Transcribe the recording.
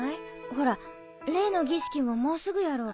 ほら例の儀式ももうすぐやろ？